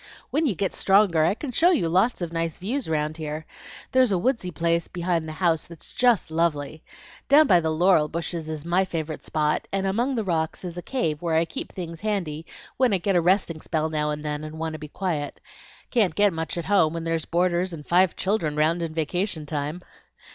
"When you get stronger I can show you lots of nice views round here. There's a woodsy place behind the house that's just lovely. Down by the laurel bushes is MY favorite spot, and among the rocks is a cave where I keep things handy when I get a resting spell now and then, and want to be quiet. Can't get much at home, when there's boarders and five children round in vacation time."